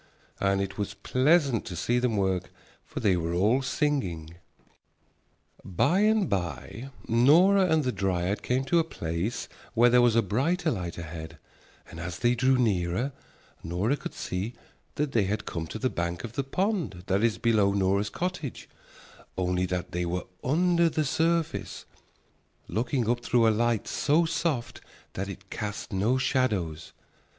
And it was pleasant to see them work, for they were all singing. By and by Nora and the dryad came to a place where there was a brighter light ahead, and as they drew nearer Nora could see that they had come to the bank of the pond that is below Nora's cottage, only that they were under the surface, looking up through a light so soft that it cast no shadows.